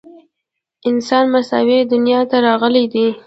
انسانان مساوي دنیا ته راغلي دي.